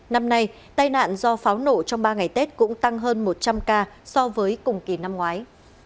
năm nay tai nạn do pháo nổ trong ba ngày tết cũng tăng hơn một trăm linh ca so với cùng kỳ năm ngoái